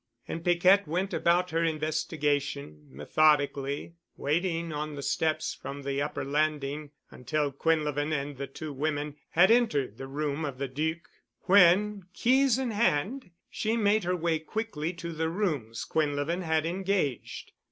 And Piquette went about her investigation methodically, waiting on the steps from the upper landing until Quinlevin and the two women had entered the room of the Duc, when, keys in hand, she made her way quickly to the rooms Quinlevin had engaged.